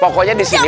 pokoknya di sini